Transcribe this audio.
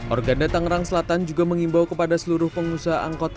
organda tangerang selatan juga mengimbau kepada seluruh pengusaha angkot